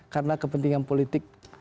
karena kepentingan politik